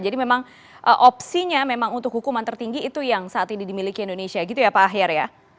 jadi memang opsinya memang untuk hukuman tertinggi itu yang saat ini dimiliki indonesia gitu ya pak ahir ya